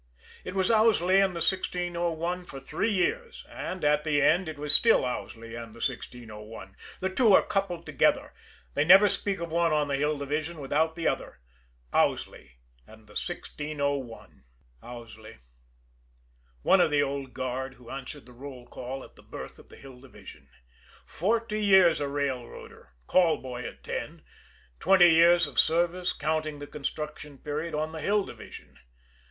It was Owsley and the 1601 for three years and at the end it was still Owsley and the 1601. The two are coupled together they never speak of one on the Hill Division without the other Owsley and the 1601. Owsley! One of the old guard who answered the roll call at the birth of the Hill Division! Forty years a railroader call boy at ten twenty years of service, counting the construction period, on the Hill Division!